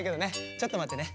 ちょっとまってね。